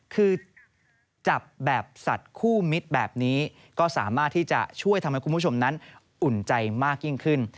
คือจับแบบสัตว์คู่มิตรแบบนี้ก็สามารถที่จะช่วยทำให้คุณผู้ชมนั้นอุ่นใจมากยิ่งขึ้น